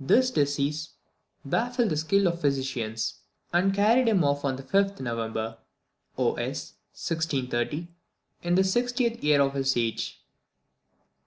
This disease baffled the skill of his physicians, and carried him off on the 5th November, O.S. 1630, in the sixtieth year of his age.